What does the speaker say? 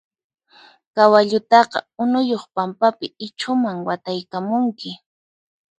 Kawallutaqa unuyuq pampapi ichhuman wataykamunki.